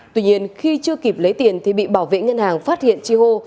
tuy nhiên khi chưa kịp lấy tiền thì bị bảo vệ ngân hàng phát hiện chi hô